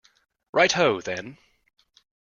Right ho, then.